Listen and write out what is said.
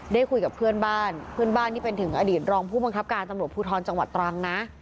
ได้คุยกับเพื่อนบ้านเพื่อนบ้านที่เป็นถึงอดีตรองผู้บังคับการตำรวจภูทรจังหวัดตรังนะ